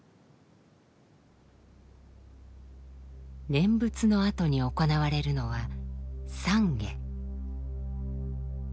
念仏のあとに行われるのは「散華」。